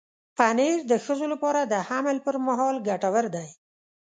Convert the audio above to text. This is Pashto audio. پنېر د ښځو لپاره د حمل پر مهال ګټور دی.